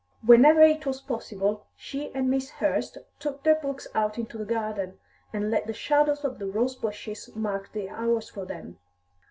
Whenever it was possible she and Miss Hurst took their books out into the garden, and let the shadows of the rose bushes mark the hours for them.